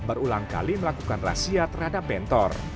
berulang kali melakukan rahasia terhadap bentor